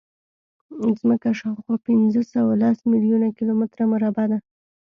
ځمکه شاوخوا پینځهسوهلس میلیونه کیلومتره مربع ده.